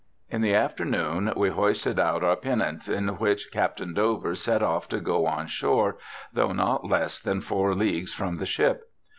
In the afternoon we hoisted out our pinnance, in which Captain Dover set off to go on shore, though not less than four leagues from the ship.